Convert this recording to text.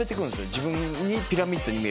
自分にピラミッドに見える。